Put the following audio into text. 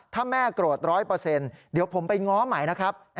ถ้าแม่โกรธ๑๐๐เดี๋ยวผมไปง้อใหม่นะครับ